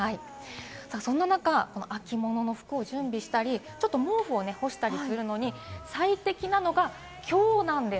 そんな中、秋物の服を準備したり、毛布を干したりするのに最適なのがきょうなんです。